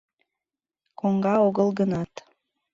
Коҥга огыл гынат.